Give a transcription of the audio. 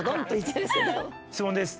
質問です！